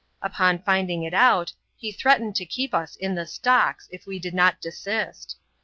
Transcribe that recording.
Upon finding it out, he threats cned to keep us in the stocks, if we did not desist.